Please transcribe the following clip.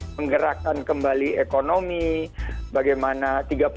menggerakkan kembali ke keadaan kita dan keadaan kita akan menjadi kembali ke keadaan kita